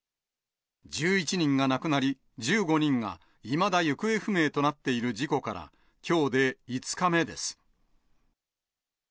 １１人が亡くなり、１５人がいまだ行方不明となっている事故から、きょうで５日目です。